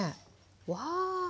わあ。